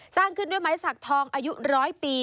สร้างขึ้นด้วยไม้สักทองอายุร้อยปี